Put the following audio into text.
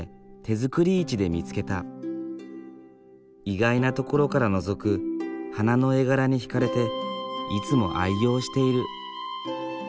意外なところからのぞく花の絵柄に引かれていつも愛用している。